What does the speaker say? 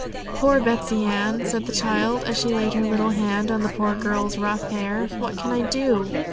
'Poor Betsey Ann!' said the child, as she laid her little hand on the girl's rough hair; 'what can I do?'